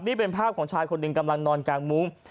นี่เป็นภาพของชายคนหนึ่งกำลังนอนกลางมุ้ง